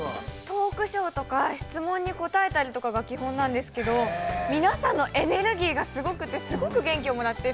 ◆トークショーとか質問に答えたりとかが基本なんですけど皆さんのエネルギーがすごくて、すごく元気をもらって。